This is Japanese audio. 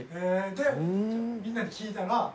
でみんなに聞いたら。